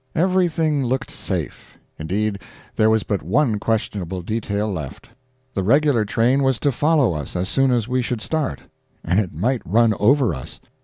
Everything looked safe. Indeed, there was but one questionable detail left: the regular train was to follow us as soon as we should start, and it might run over us.